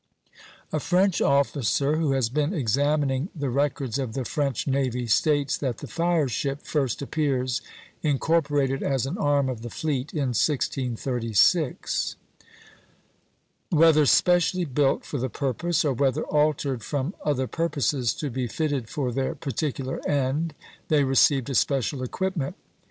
A French officer, who has been examining the records of the French navy, states that the fire ship first appears, incorporated as an arm of the fleet, in 1636. "Whether specially built for the purpose, or whether altered from other purposes to be fitted for their particular end, they received a special equipment.